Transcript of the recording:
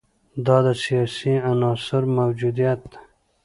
دا د سیاسي عنصر موجودیت ده.